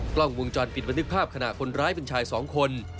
กล้องวงจรปิดบันทึกภาพขณะคนร้ายเป็นชายสองคน